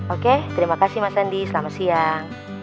oke terima kasih mas andi selamat siang